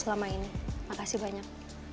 selama ini makasih banyak